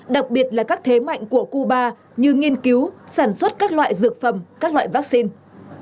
đặc biệt là các thế mạnh của cuba như nghiên cứu sản xuất các loại dược phẩm các loại vaccine